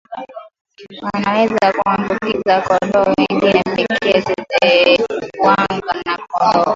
wanaweza kuwaambukiza kondoo wengine pekee tetekuwanga ya kondoo